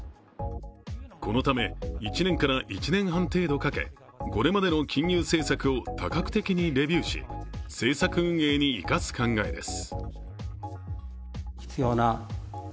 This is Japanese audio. このため、１年から１年半程度かけ、これまでの金融政策を多角的にレビューし、政策運営に生かす考えです。